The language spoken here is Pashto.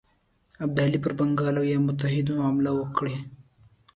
ابدالي پر بنګال او یا متحدینو حمله وکړي.